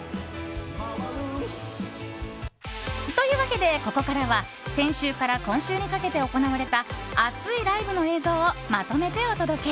というわけで、ここからは先週から今週にかけて行われた熱いライブの映像をまとめてお届け！